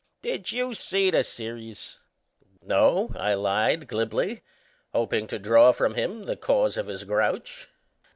Did you see the serious?" "No," I lied glibly, hoping to draw from him the cause of his grouch.